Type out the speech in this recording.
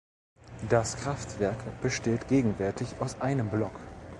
Das Kraftwerk besteht gegenwärtig aus einem Block.